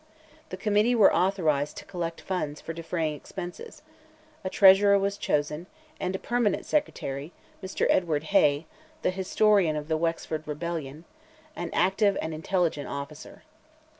The Committee were authorized to collect funds for defraying expenses; a Treasurer was chosen, and a permanent Secretary, Mr. Edward Hay, the historian of the Wexford rebellion—an active and intelligent officer.